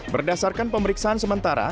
berdasarkan pemeriksaan sementara